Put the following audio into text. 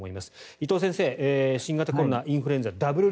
伊藤先生、新型コロナインフルエンザダブル